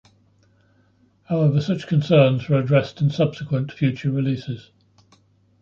However, such concerns were addressed in subsequent future releases.